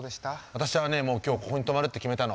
私はねもう今日ここに泊まるって決めたの。